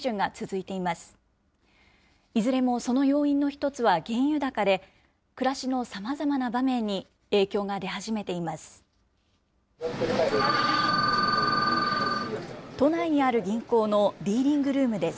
いずれもその要因の一つは原油高で暮らしのさまざまな場面に影響が出始めています。